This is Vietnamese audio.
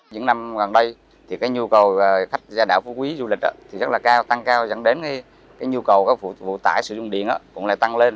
những năm gần đây nhu cầu khách ra đảo phú quý du lịch rất là cao tăng cao dẫn đến nhu cầu phụ tải sử dụng điện cũng lại tăng lên